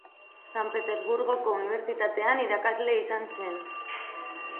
San Petersburgoko unibertsitatean irakasle izan zen.